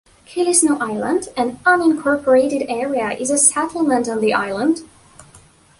Killisnoo Island, an unincorporated area, is a settlement on the island.